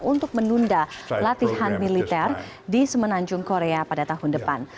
untuk menunda latihan militer di semenanjung korea pada tahun depan